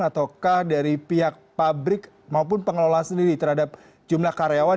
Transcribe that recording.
ataukah dari pihak pabrik maupun pengelola sendiri terhadap jumlah karyawan